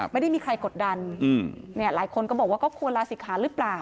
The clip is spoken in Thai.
ไม่ได้มีใครกดดันหลายคนก็บอกว่าก็ควรลาศิกขาหรือเปล่า